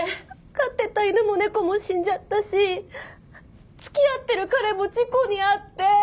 飼ってた犬も猫も死んじゃったし付き合ってる彼も事故に遭って。